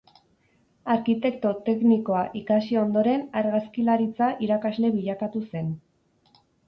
Arkitekto teknikoa ikasi ondoren, argazkilaritza irakasle bilakatu zen.